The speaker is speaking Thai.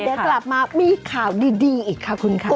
เดี๋ยวกลับมามีข่าวดีอีกค่ะคุณค่ะ